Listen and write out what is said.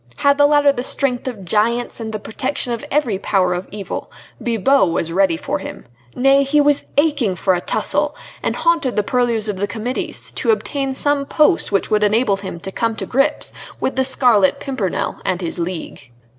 Had the latter the strength of giants and the protection of every power of evil, Bibot was ready for him. Nay! he was aching for a tussle, and haunted the purlieus of the Committees to obtain some post which would enable him to come to grips with the Scarlet Pimpernel and his League.